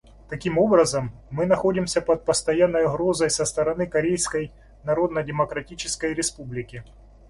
Таким образом, мы находимся под постоянной угрозой со стороны Корейской Народно-Демократической Республики.